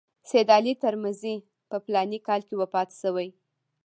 سید علي ترمذي په فلاني کال کې وفات شوی.